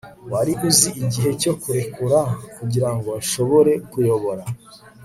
wari uzi igihe cyo kurekura kugirango nshobore kuyobora